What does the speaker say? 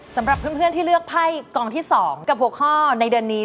สำหรับเพื่อนที่เลือกไพ่กองที่๒กับหัวข้อในเดือนนี้